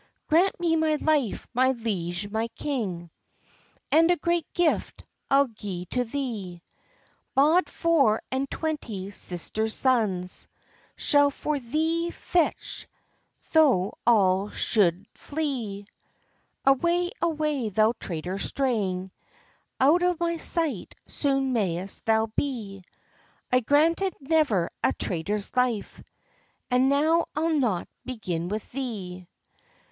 "Grant me my life, my liege, my king! And a great gift I'll gi'e to thee: Bauld four and twenty sisters' sons Shall for thee fecht, tho' all shou'd flee." "Away, away, thou traitor strang! Out of my sight soon may'st thou be! I granted never a traitor's life, And now I'll not begin with thee."